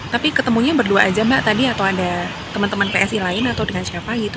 tapi ketemunya berdua aja mbak tadi atau ada teman teman psi lain atau dengan siapa gitu